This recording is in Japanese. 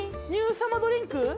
ニューサマードリンク。